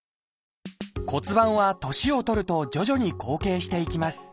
骨盤は年を取ると徐々に後傾していきます。